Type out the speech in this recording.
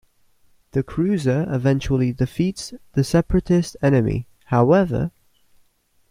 The cruiser eventually defeats the Separatist enemy, however.